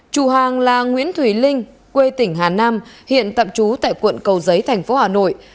chủ hàng là nguyễn thùy linh quê tỉnh hà nam hiện tạm trú tại quận cầu giấy thành phố hà nội